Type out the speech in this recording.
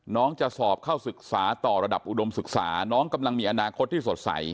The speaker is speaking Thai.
น้องจะสอบเข้าศึกษาต่อระดับอุดมศึกษาน้องกำลังมีอนาคตที่สดใส